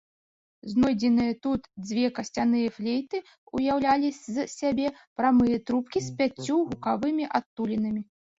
Знойдзеныя тут дзве касцяныя флейты ўяўлялі з сябе прамыя трубкі з пяццю гукавымі адтулінамі.